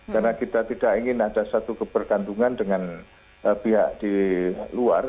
karena kita tidak ingin ada satu keperkandungan dengan pihak di luar